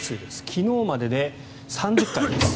昨日までで３０回です。